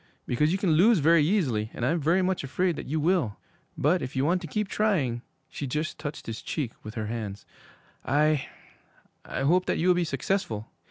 Because you can lose very easily, and I'm very much afraid that you will. But if you want to keep trying,' she just touched his cheek with her hands, 'I I hope that you will be successful!'